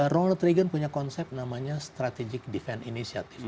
ronald reagan punya konsep namanya strategic defense initiative